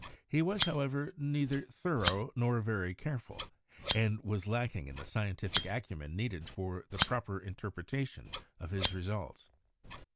He was, however, neither thoro nor very careful, and was lacking in the scientific acumen needed for the proper interpretation of his re sults.